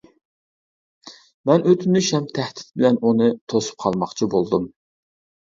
مەن ئۆتۈنۈش ھەم تەھدىت بىلەن ئۇنى توسۇپ قالماقچى بولدۇم.